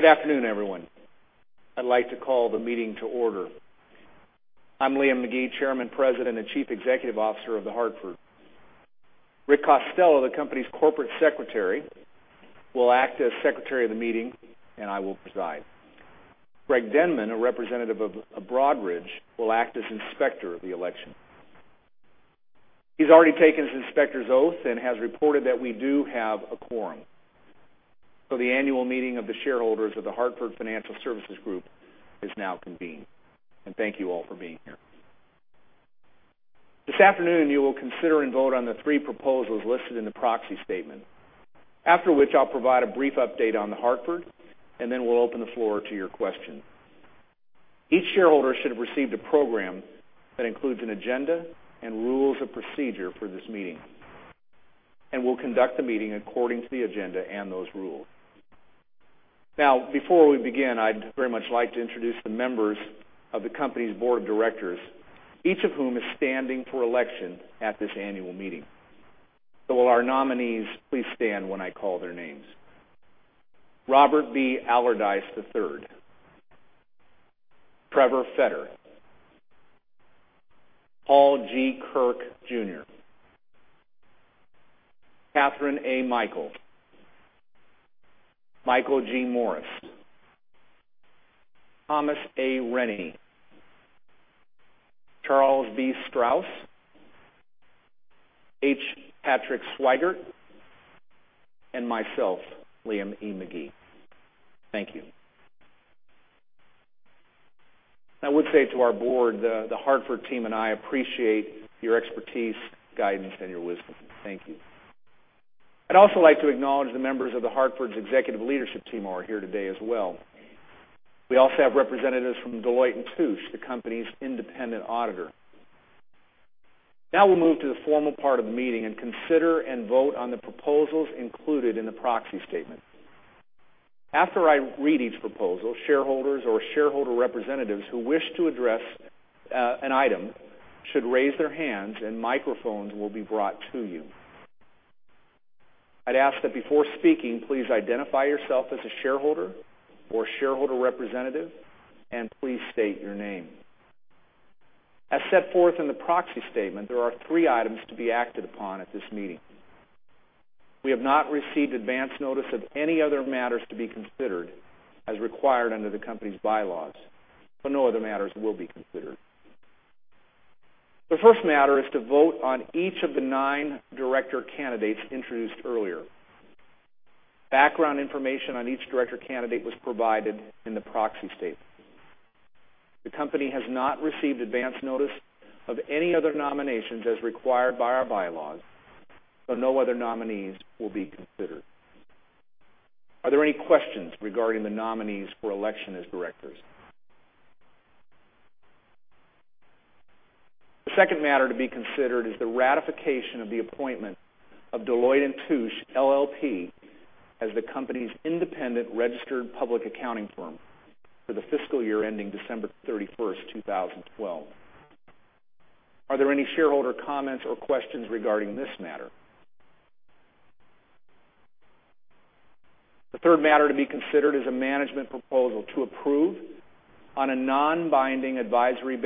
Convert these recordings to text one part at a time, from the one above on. Good afternoon, everyone. I'd like to call the meeting to order. I'm Liam McGee, Chairman, President, and Chief Executive Officer of The Hartford. Rick Costello, the company's Corporate Secretary, will act as secretary of the meeting. I will preside. Greg Denman, a representative of Broadridge, will act as inspector of the election. He's already taken his inspector's oath and has reported that we do have a quorum. The annual meeting of the shareholders of The Hartford Financial Services Group is now convened. Thank you all for being here. This afternoon, you will consider and vote on the three proposals listed in the proxy statement. After which, I'll provide a brief update on The Hartford. We'll open the floor to your questions. Each shareholder should have received a program that includes an agenda and rules of procedure for this meeting. We'll conduct the meeting according to the agenda and those rules. Before we begin, I'd very much like to introduce the members of the company's board of directors, each of whom is standing for election at this annual meeting. Will our nominees please stand when I call their names? Robert B. Allardyce III, Trevor Fetter, Paul G. Kirk Jr., Kathryn A. Mikells, Michael G. Morris, Thomas A. Renyi, Charles B. Strauss, H. Patrick Swygert, and myself, Liam E. McGee. Thank you. I would say to our board, The Hartford team and I appreciate your expertise, guidance, and your wisdom. Thank you. I'd also like to acknowledge the members of The Hartford's executive leadership team who are here today as well. We also have representatives from Deloitte & Touche, the company's independent auditor. We'll move to the formal part of the meeting and consider and vote on the proposals included in the proxy statement. After I read each proposal, shareholders or shareholder representatives who wish to address an item should raise their hands. Microphones will be brought to you. I'd ask that before speaking, please identify yourself as a shareholder or shareholder representative, and please state your name. As set forth in the proxy statement, there are three items to be acted upon at this meeting. We have not received advance notice of any other matters to be considered as required under the company's bylaws. No other matters will be considered. The first matter is to vote on each of the nine director candidates introduced earlier. Background information on each director candidate was provided in the proxy statement. The company has not received advance notice of any other nominations as required by our bylaws. No other nominees will be considered. Are there any questions regarding the nominees for election as directors? The second matter to be considered is the ratification of the appointment of Deloitte & Touche LLP as the company's independent registered public accounting firm for the fiscal year ending December 31st, 2012. Are there any shareholder comments or questions regarding this matter? The third matter to be considered is a management proposal to approve, on a non-binding advisory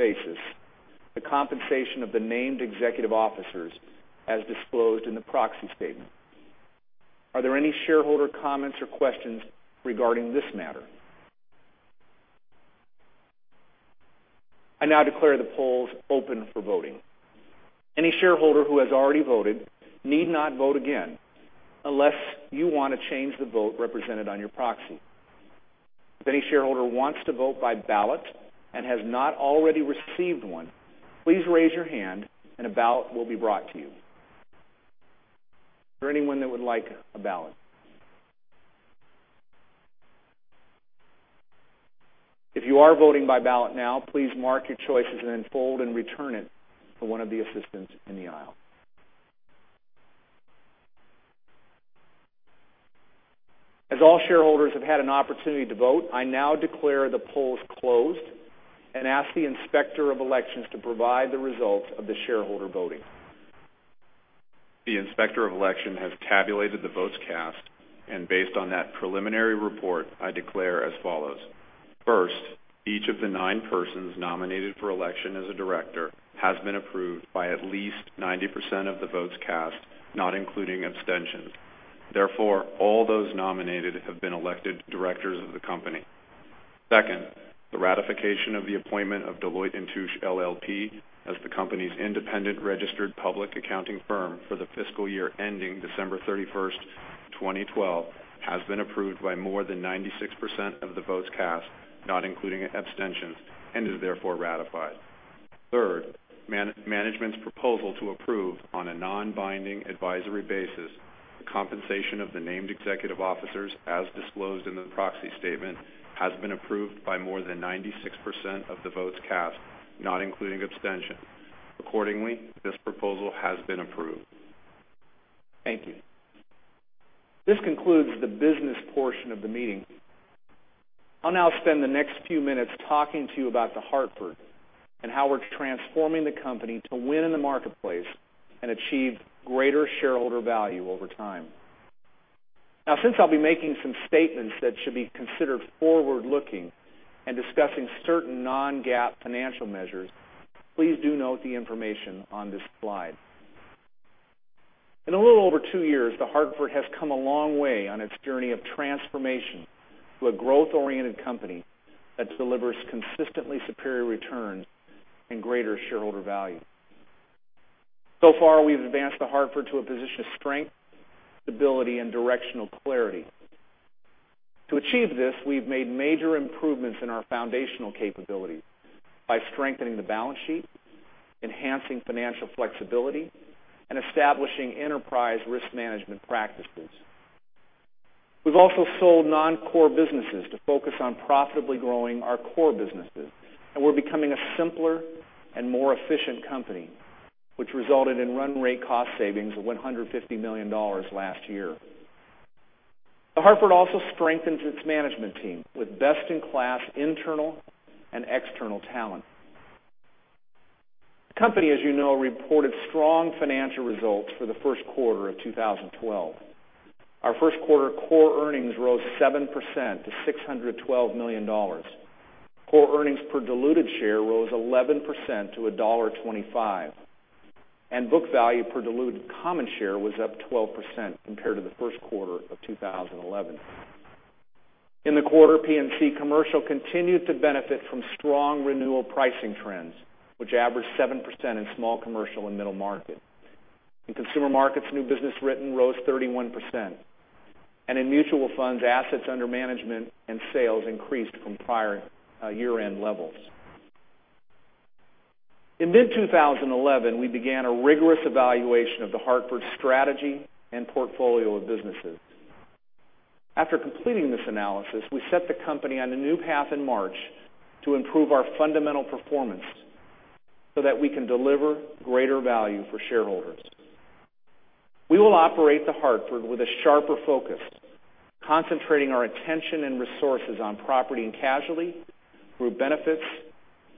basis, the compensation of the named executive officers as disclosed in the proxy statement. Are there any shareholder comments or questions regarding this matter? I now declare the polls open for voting. Any shareholder who has already voted need not vote again unless you want to change the vote represented on your proxy. If any shareholder wants to vote by ballot and has not already received one, please raise your hand and a ballot will be brought to you. Is there anyone that would like a ballot? If you are voting by ballot now, please mark your choices and then fold and return it to one of the assistants in the aisle. As all shareholders have had an opportunity to vote, I now declare the polls closed and ask the Inspector of Elections to provide the results of the shareholder voting. The Inspector of Election has tabulated the votes cast, and based on that preliminary report, I declare as follows. First, each of the nine persons nominated for election as a director has been approved by at least 90% of the votes cast, not including abstentions. Therefore, all those nominated have been elected directors of the company. Second, the ratification of the appointment of Deloitte & Touche LLP as the company's independent registered public accounting firm for the fiscal year ending December 31st, 2012, has been approved by more than 96% of the votes cast, not including abstentions, and is therefore ratified. Third, management's proposal to approve, on a non-binding advisory basis, the compensation of the named executive officers as disclosed in the proxy statement, has been approved by more than 96% of the votes cast, not including abstentions. Accordingly, this proposal has been approved. Thank you. This concludes the business portion of the meeting. I'll now spend the next few minutes talking to you about The Hartford And how we're transforming the company to win in the marketplace and achieve greater shareholder value over time. Since I'll be making some statements that should be considered forward-looking and discussing certain non-GAAP financial measures, please do note the information on this slide. In a little over two years, The Hartford has come a long way on its journey of transformation to a growth-oriented company that delivers consistently superior returns and greater shareholder value. So far, we've advanced The Hartford to a position of strength, stability, and directional clarity. To achieve this, we've made major improvements in our foundational capability by strengthening the balance sheet, enhancing financial flexibility, and establishing enterprise risk management practices. We've also sold non-core businesses to focus on profitably growing our core businesses, and we're becoming a simpler and more efficient company, which resulted in run rate cost savings of $150 million last year. The Hartford also strengthens its management team with best-in-class internal and external talent. The company, as you know, reported strong financial results for the first quarter of 2012. Our first quarter core earnings rose 7% to $612 million. Core earnings per diluted share rose 11% to $1.25, and book value per diluted common share was up 12% compared to the first quarter of 2011. In the quarter, P&C Commercial continued to benefit from strong renewal pricing trends, which averaged 7% in small commercial and middle market. In consumer markets, new business written rose 31%, and in mutual funds, assets under management and sales increased from prior year-end levels. In mid-2011, we began a rigorous evaluation of The Hartford strategy and portfolio of businesses. After completing this analysis, we set the company on a new path in March to improve our fundamental performance so that we can deliver greater value for shareholders. We will operate The Hartford with a sharper focus, concentrating our attention and resources on property and casualty, group benefits,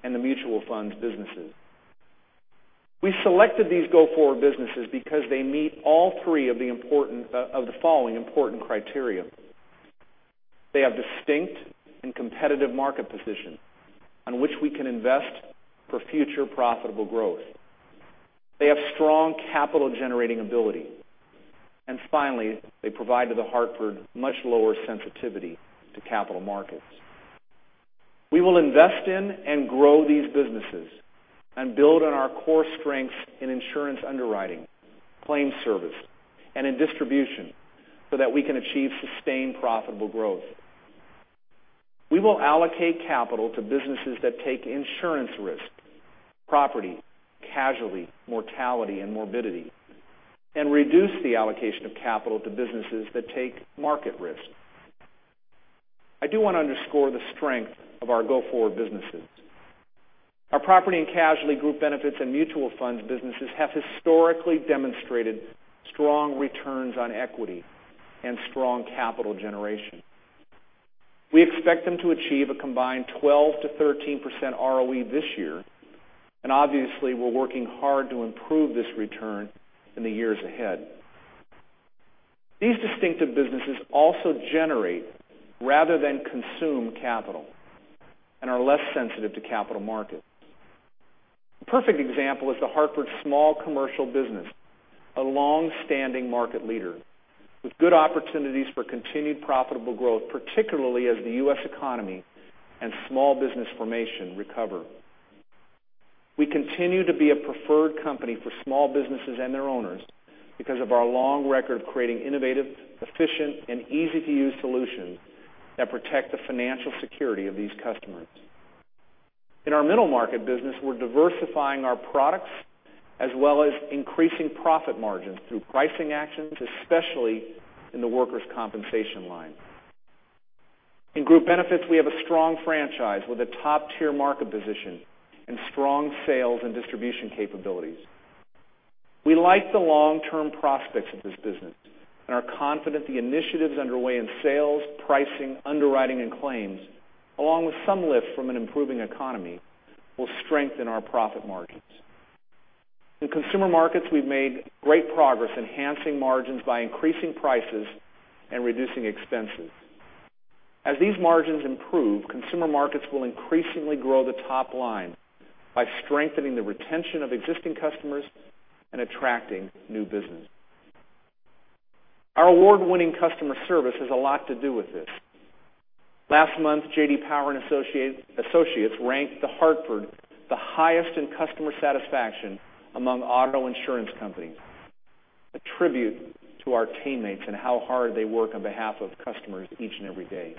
and the mutual funds businesses. We selected these go-forward businesses because they meet all three of the following important criteria. They have distinct and competitive market position on which we can invest for future profitable growth. They have strong capital generating ability. Finally, they provide to The Hartford much lower sensitivity to capital markets. We will invest in and grow these businesses and build on our core strengths in insurance underwriting, claims service, and in distribution so that we can achieve sustained profitable growth. We will allocate capital to businesses that take insurance risk, property, casualty, mortality, and morbidity, and reduce the allocation of capital to businesses that take market risk. I do want to underscore the strength of our go-forward businesses. Our property and casualty group benefits and mutual funds businesses have historically demonstrated strong returns on equity and strong capital generation. We expect them to achieve a combined 12%-13% ROE this year, and obviously, we're working hard to improve this return in the years ahead. These distinctive businesses also generate rather than consume capital and are less sensitive to capital markets. A perfect example is The Hartford small commercial business, a longstanding market leader with good opportunities for continued profitable growth, particularly as the U.S. economy and small business formation recover. We continue to be a preferred company for small businesses and their owners because of our long record of creating innovative, efficient, and easy-to-use solutions that protect the financial security of these customers. In our middle market business, we're diversifying our products as well as increasing profit margins through pricing actions, especially in the workers' compensation line. In group benefits, we have a strong franchise with a top-tier market position and strong sales and distribution capabilities. We like the long-term prospects of this business and are confident the initiatives underway in sales, pricing, underwriting, and claims, along with some lift from an improving economy, will strengthen our profit margins. In consumer markets, we've made great progress enhancing margins by increasing prices and reducing expenses. As these margins improve, consumer markets will increasingly grow the top line by strengthening the retention of existing customers and attracting new business. Our award-winning customer service has a lot to do with this. Last month, J.D. Power and Associates ranked The Hartford the highest in customer satisfaction among auto insurance companies, a tribute to our teammates and how hard they work on behalf of customers each and every day.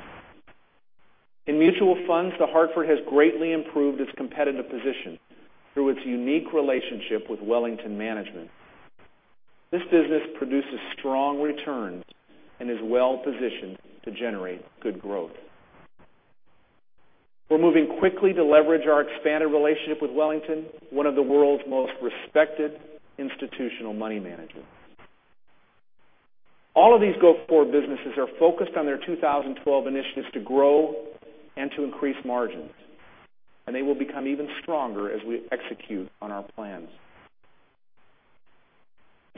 In mutual funds, The Hartford has greatly improved its competitive position through its unique relationship with Wellington Management. This business produces strong returns and is well-positioned to generate good growth. We're moving quickly to leverage our expanded relationship with Wellington, one of the world's most respected institutional money managers. All of these go-forward businesses are focused on their 2012 initiatives to grow and to increase margins, and they will become even stronger as we execute on our plans.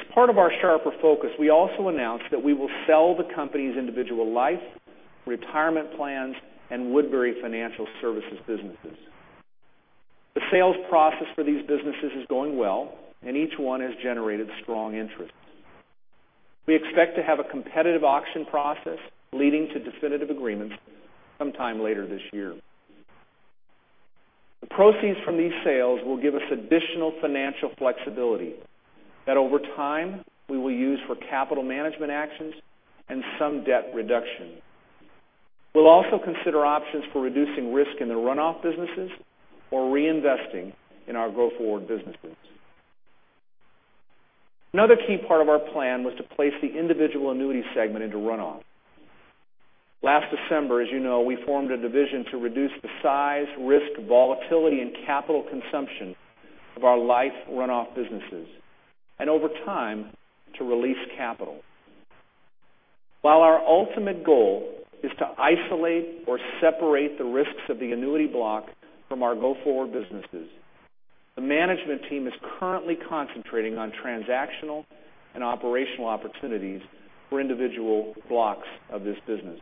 As part of our sharper focus, we also announced that we will sell the company's individual life, retirement plans, and Woodbury Financial Services businesses. The sales process for these businesses is going well, each one has generated strong interest. We expect to have a competitive auction process leading to definitive agreements sometime later this year. The proceeds from these sales will give us additional financial flexibility that over time we will use for capital management actions and some debt reduction. We'll also consider options for reducing risk in the runoff businesses or reinvesting in our go-forward businesses. Another key part of our plan was to place the individual annuity segment into runoff. Last December, as you know, we formed a division to reduce the size, risk, volatility, and capital consumption of our life runoff businesses, and over time, to release capital. While our ultimate goal is to isolate or separate the risks of the annuity block from our go-forward businesses, the management team is currently concentrating on transactional and operational opportunities for individual blocks of this business.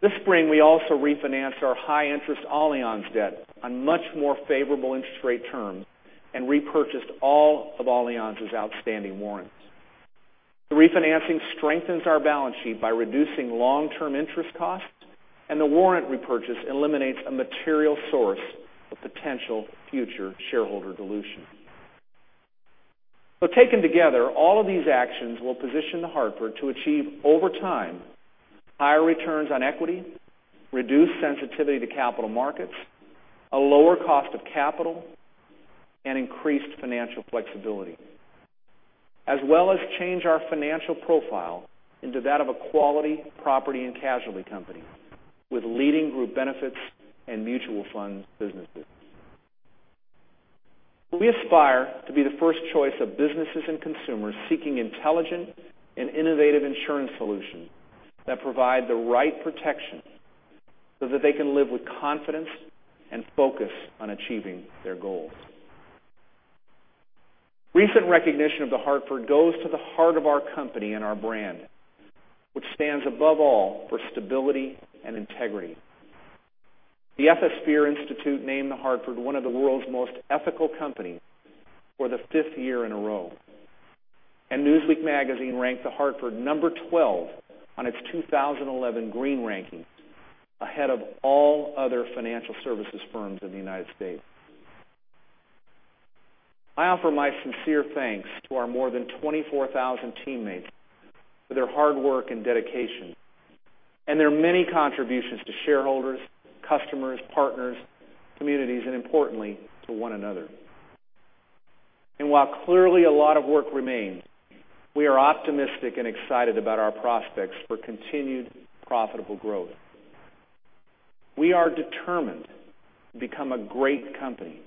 This spring, we also refinanced our high-interest Allianz debt on much more favorable interest rate terms and repurchased all of Allianz's outstanding warrants. The refinancing strengthens our balance sheet by reducing long-term interest costs, and the warrant repurchase eliminates a material source of potential future shareholder dilution. Taken together, all of these actions will position The Hartford to achieve over time higher returns on equity, reduced sensitivity to capital markets, a lower cost of capital, and increased financial flexibility. As well as change our financial profile into that of a quality property and casualty company with leading group benefits and mutual fund businesses. We aspire to be the first choice of businesses and consumers seeking intelligent and innovative insurance solutions that provide the right protection so that they can live with confidence and focus on achieving their goals. Recent recognition of The Hartford goes to the heart of our company and our brand, which stands above all for stability and integrity. The Ethisphere Institute named The Hartford one of the world's most ethical companies for the fifth year in a row, Newsweek Magazine ranked The Hartford number 12 on its 2011 Green Ranking, ahead of all other financial services firms in the U.S. I offer my sincere thanks to our more than 24,000 teammates for their hard work and dedication and their many contributions to shareholders, customers, partners, communities, and importantly, to one another. While clearly a lot of work remains, we are optimistic and excited about our prospects for continued profitable growth. We are determined to become a great company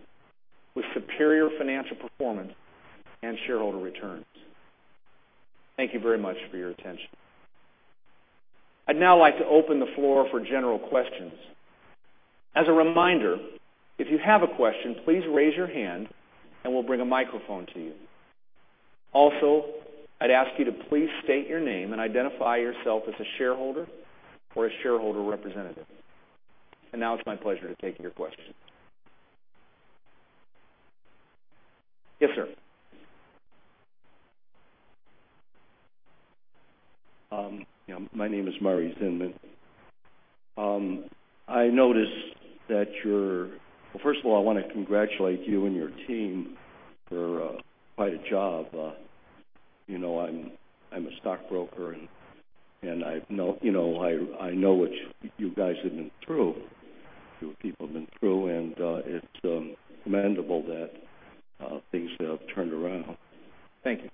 with superior financial performance and shareholder returns. Thank you very much for your attention. I'd now like to open the floor for general questions. As a reminder, if you have a question, please raise your hand and we'll bring a microphone to you. Also, I'd ask you to please state your name and identify yourself as a shareholder or a shareholder representative. Now it's my pleasure to take your questions. Yes, sir. My name is Murray Zinman. First of all, I want to congratulate you and your team for quite a job. I'm a stockbroker, and I know what you guys have been through, you people have been through. It's commendable that things have turned around. Thank you.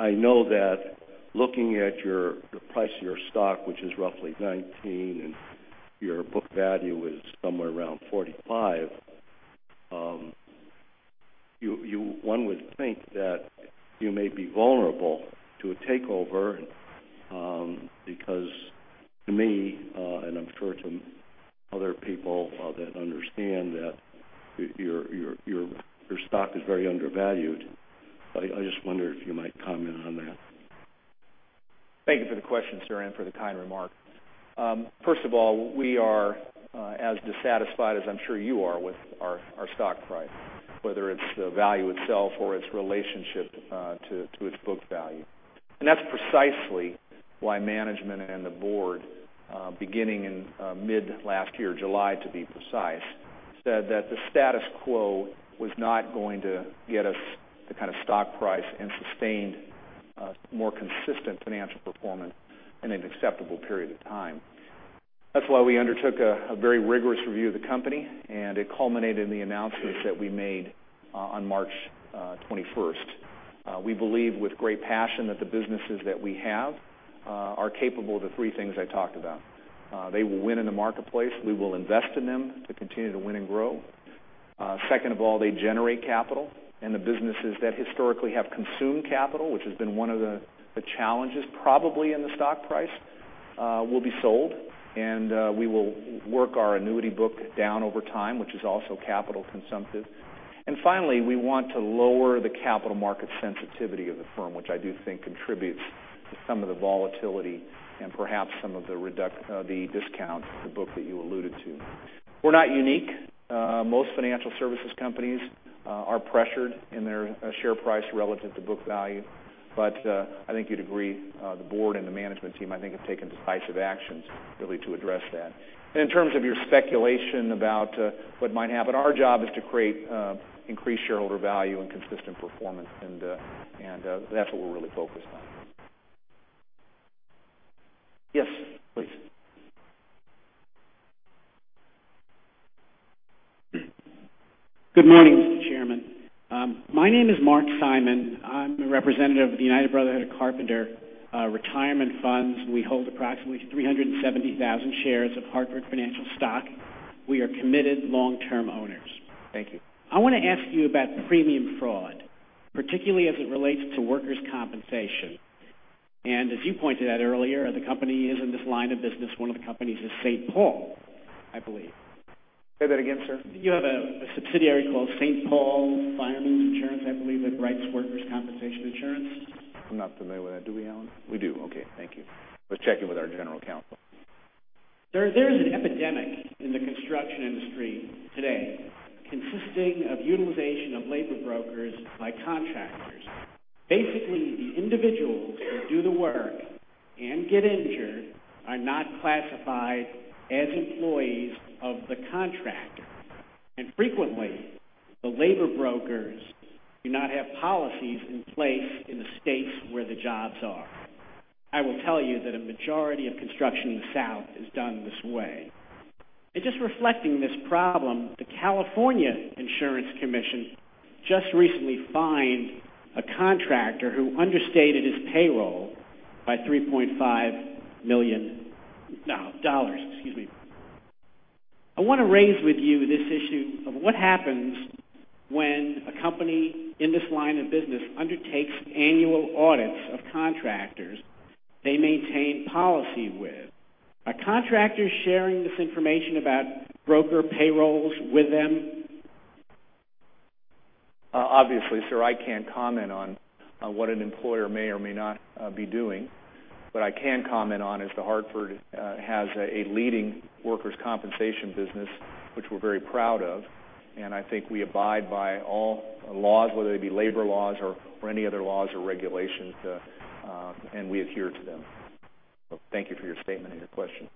I know that looking at the price of your stock, which is roughly $19, and your book value is somewhere around $45, one would think that you may be vulnerable to a takeover because to me, and I'm sure to other people that understand that your stock is very undervalued. I just wonder if you might comment on that. Thank you for the question, sir, and for the kind remark. First of all, we are as dissatisfied as I'm sure you are with our stock price, whether it's the value itself or its relationship to its book value. That's precisely why management and the board beginning in mid last year, July to be precise, said that the status quo was not going to get us the kind of stock price and sustained more consistent financial performance in an acceptable period of time. That's why we undertook a very rigorous review of the company, and it culminated in the announcements that we made on March 21st. We believe with great passion that the businesses that we have are capable of the three things I talked about. They will win in the marketplace. We will invest in them to continue to win and grow. Second of all, they generate capital. The businesses that historically have consumed capital, which has been one of the challenges probably in the stock price, will be sold. We will work our individual annuity book down over time, which is also capital consumptive. Finally, we want to lower the capital market sensitivity of the firm, which I do think contributes to some of the volatility and perhaps some of the discount, the book that you alluded to. We're not unique. Most financial services companies are pressured in their share price relative to book value. I think you'd agree, the board and the management team, I think, have taken decisive actions really to address that. In terms of your speculation about what might happen, our job is to create increased shareholder value and consistent performance, and that's what we're really focused on. Yes, please. Good morning, Mr. Chairman. My name is Mark Simon. I'm a representative of the United Brotherhood of Carpenters retirement funds. We hold approximately 370,000 shares of Hartford Financial stock. We are committed long-term owners. Thank you. I want to ask you about premium fraud, particularly as it relates to workers' compensation. As you pointed out earlier, the company is in this line of business. One of the companies is St. Paul, I believe. Say that again, sir. You have a subsidiary called St. Paul Fire and Marine Insurance, I believe, that writes workers' compensation insurance. I'm not familiar with that. Do we, Alan? We do. Okay. Thank you. I was checking with our general counsel. There's an epidemic in the construction industry today consisting of utilization of labor brokers by contractors. Basically, the individuals who do the work and get injured are not classified as employees of the contractor. Frequently, the labor brokers do not have policies in place in the states where the jobs are. I will tell you that a majority of construction in the South is done this way. Just reflecting this problem, the California Department of Insurance just recently fined a contractor who understated his payroll by $3.5 million. I want to raise with you this issue of what happens when a company in this line of business undertakes annual audits of contractors they maintain policy with. Are contractors sharing this information about broker payrolls with them? Obviously, sir, I can't comment on what an employer may or may not be doing. What I can comment on is The Hartford has a leading workers' compensation business, which we're very proud of, and I think we abide by all laws, whether they be labor laws or any other laws or regulations, and we adhere to them. Thank you for your statement and your question.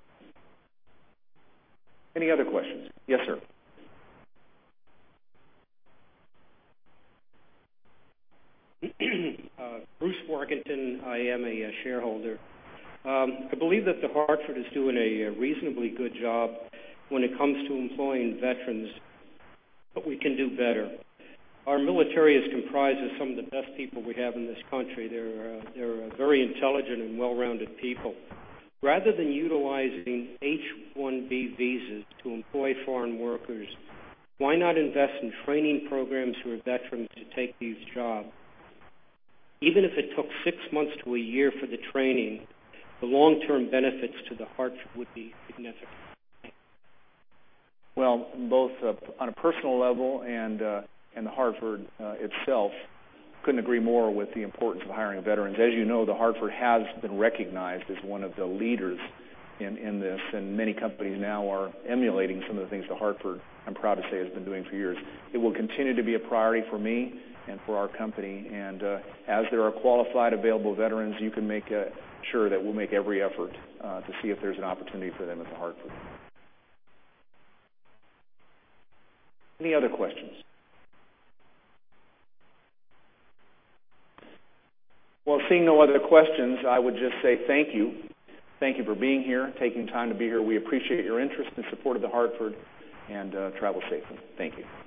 Any other questions? Yes, sir. Bruce Workington. I am a shareholder. I believe that The Hartford is doing a reasonably good job when it comes to employing veterans. We can do better. Our military is comprised of some of the best people we have in this country. They're a very intelligent and well-rounded people. Rather than utilizing H-1B visas to employ foreign workers, why not invest in training programs for veterans to take these jobs? Even if it took six months to a year for the training, the long-term benefits to The Hartford would be significant. Well, both on a personal level and The Hartford itself, couldn't agree more with the importance of hiring veterans. As you know, The Hartford has been recognized as one of the leaders in this. Many companies now are emulating some of the things The Hartford, I'm proud to say, has been doing for years. It will continue to be a priority for me and for our company. As there are qualified available veterans, you can make sure that we'll make every effort to see if there's an opportunity for them at The Hartford. Any other questions? Well, seeing no other questions, I would just say thank you. Thank you for being here, taking time to be here. We appreciate your interest and support of The Hartford. Travel safely. Thank you